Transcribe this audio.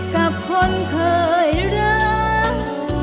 กับคนเคยรัก